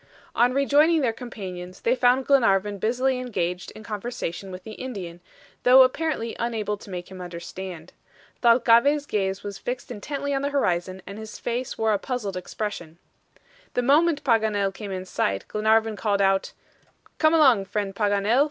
On rejoining their companions, they found Glenarvan busily engaged in conversation with the Indian, though apparently unable to make him understand. Thalcave's gaze was fixed intently on the horizon, and his face wore a puzzled expression. The moment Paganel came in sight, Glenarvan called out: "Come along, friend Paganel.